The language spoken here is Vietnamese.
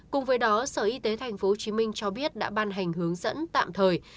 cùng với đó sở y tế tp hcm cho biết đã ban hành hướng dẫn tạm thời